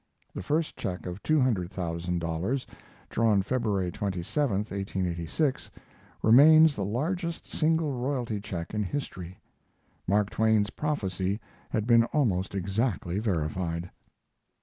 The first check of two hundred thousand dollars, drawn February 27, 1886, remains the largest single royalty check in history. Mark Twain's prophecy had been almost exactly verified.